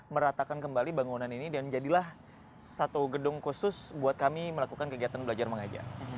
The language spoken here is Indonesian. meratakan kembali bangunan ini dan jadilah satu gedung khusus buat kami melakukan kegiatan belajar mengajar